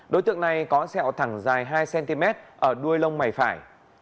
đối tượng này có sẹo thẳng dài hai cm ở đuôi lông mày phải